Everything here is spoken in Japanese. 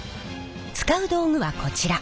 使う道具はこちら。